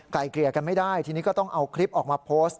เกลี่ยกันไม่ได้ทีนี้ก็ต้องเอาคลิปออกมาโพสต์